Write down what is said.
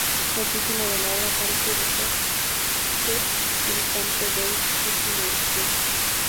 El título de la obra parece evocar "De civitate Dei" de San Agustín.